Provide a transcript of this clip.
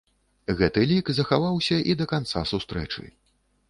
Гэты лік захаваўся і да канца сустрэчы.